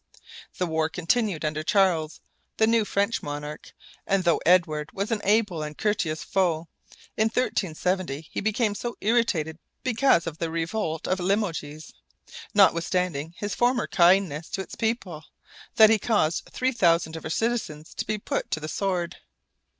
The war continued under Charles, the new French monarch; and though Edward was an able and courteous foe, in 1370 he became so irritated because of the revolt of Limoges, notwithstanding his former kindness to its people, that he caused three thousand of her citizens to be put to the sword.